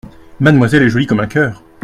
Mademoiselle est jolie comme un cœur !